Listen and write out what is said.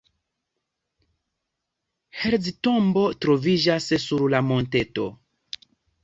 Herzl tombo troviĝas sur la monteto.